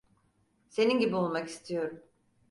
Senin gibi olmak istiyorum.